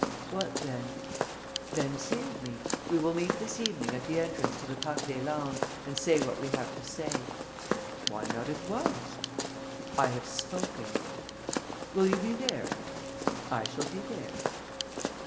"What then?" "Then save me. We will meet this evening at the entrance to the Parc des Landes and say what we have to say." "Why not at once?" "I have spoken." "Will you be there?" "I shall be there."